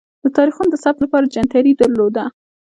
د تاریخونو د ثبت لپاره جنتري درلوده.